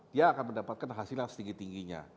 dia akan mendapatkan hasil yang setinggi tingginya